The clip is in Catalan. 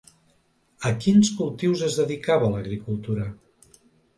A quins cultius es dedicava l'agricultura?